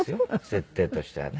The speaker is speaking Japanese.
設定としてはね。